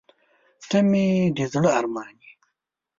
• ته مې د زړه ارمان یې.